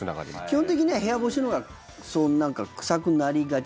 基本的には部屋干しのほうが臭くなりがち